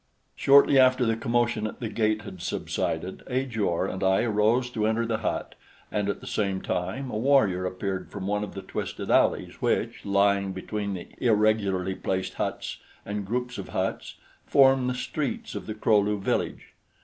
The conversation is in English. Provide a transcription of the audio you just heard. Shortly after the commotion at the gate had subsided, Ajor and I arose to enter the hut, and at the same time a warrior appeared from one of the twisted alleys which, lying between the irregularly placed huts and groups of huts, form the streets of the Kro lu village.